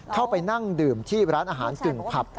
เข้าไปนั่งดื่มที่ร้านอาหารกึ่งผับ